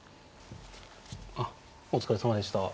お疲れさまでした。